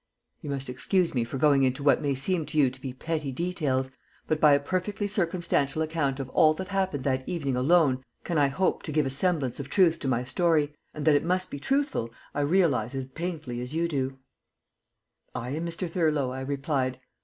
You must excuse me for going into what may seem to you to be petty details, but by a perfectly circumstantial account of all that happened that evening alone can I hope to give a semblance of truth to my story, and that it must be truthful I realize as painfully as you do. "I am Mr. Thurlow," I replied.